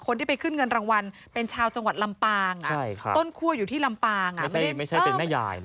คนที่ไปขึ้นเงินรางวัลเป็นชาวจังหวัดลำปางต้นคั่วอยู่ที่ลำปางไม่ใช่เป็นแม่ยายนะ